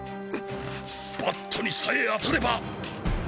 バットにさえ当たれば。